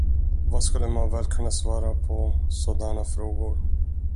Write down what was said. Vad skulle man väl kunna svara på sådana frågor?